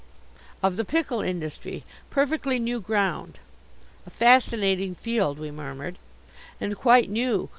of the pickle industry perfectly new ground." "A fascinating field," we murmured. "And quite new.